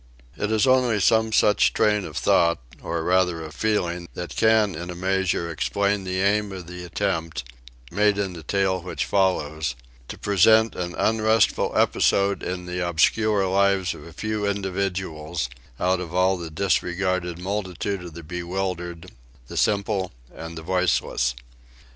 It is only some such train of thought, or rather of feeling, that can in a measure explain the aim of the attempt, made in the tale which follows, to present an unrestful episode in the obscure lives of a few individuals out of all the disregarded multitude of the bewildered, the simple and the voiceless.